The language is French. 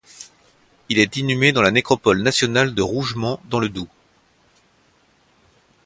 Il est inhumé dans la nécropole nationale de Rougement dans le Doubs.